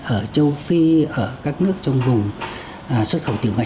ở châu phi ở các nước trong vùng xuất khẩu tiểu ngạch